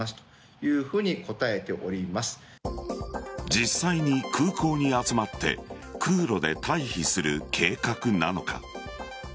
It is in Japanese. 実際に空港に集まって空路で退避する計画なのか。